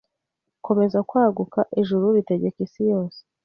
Komeza kwaguka Ijuru ritegeka isi yose